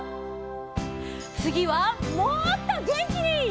つぎはもっとげんきに！